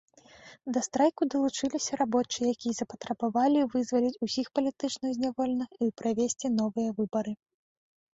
Да страйку далучыліся рабочыя, якія запатрабавалі вызваліць усіх палітычных зняволеных і правесці новыя выбары.